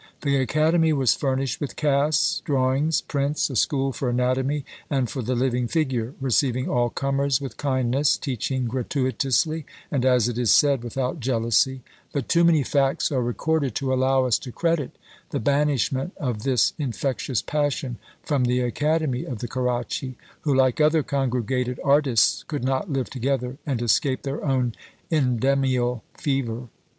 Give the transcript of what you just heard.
The academy was furnished with casts, drawings, prints, a school for anatomy, and for the living figure; receiving all comers with kindness; teaching gratuitously, and, as it is said, without jealousy; but too many facts are recorded to allow us to credit the banishment of this infectious passion from the academy of the Caracci, who, like other congregated artists, could not live together and escape their own endemial fever.